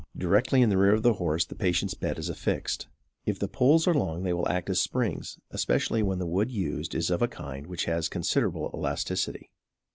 Directly in the rear of the horse the patient's bed is affixed. If the poles are long they will act as springs, especially when the wood used is of a kind which has considerable elasticity.